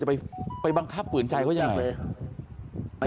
ไปบังคับฝืนใจเขายังไง